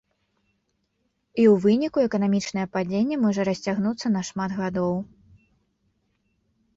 І ў выніку эканамічнае падзенне можа расцягнуцца на шмат гадоў.